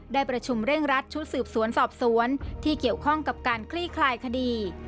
ได้ประชุมเร่งรัดชุดสืบสวนสอบสวนที่เกี่ยวข้องกับการคลี่คลายคดี